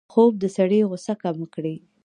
خوب د سړي غوسه کمه کړي